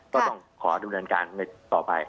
ก็ต้องขอดูดันการต่อไป